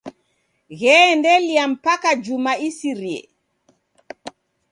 Gheendelia mpaka juma isirie.